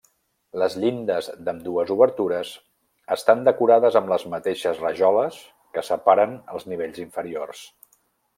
Les llindes d'ambdues obertures estan decorades amb les mateixes rajoles que separen els nivells inferiors.